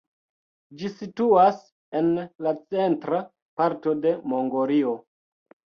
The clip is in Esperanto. Ĝi situas en la centra parto de Mongolio.